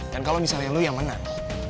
dan kalau misalnya lu yang menang